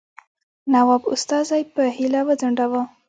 نواب استازی په هیله وځنډاوه.